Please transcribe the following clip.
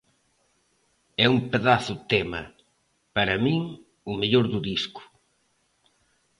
É un pedazo tema, para min o mellor do disco.